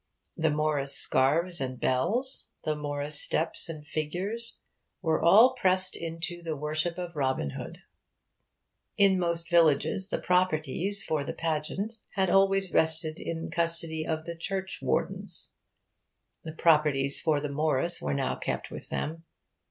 The Morris scarves and bells, the Morris steps and figures, were all pressed into the worship of Robin Hood. In most villages the properties for the 'pageant' had always rested in the custody of the church wardens. The properties for the Morris were now kept with them.